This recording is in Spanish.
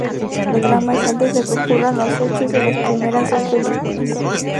La trama es antes de que ocurran los hechos de las primeras dos películas.